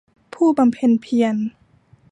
ผู้บำเพ็ญเพียร